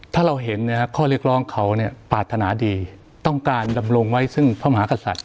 ถ้าเราเห็นข้อเรียกร้องเขาปรารถนาดีต้องการดำรงไว้ซึ่งพระมหากษัตริย